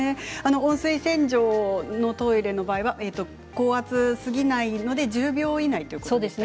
温水洗浄の場合には高圧すぎないもので１０秒以内ということでしたね。